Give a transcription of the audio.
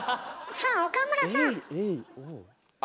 さあ岡村さん！